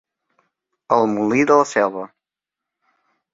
El molí de la Selva.